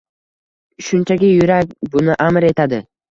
Shunchaki, yurak buni amr etadi.